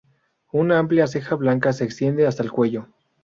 Una amplia ceja blanca se extiende hasta el cuello.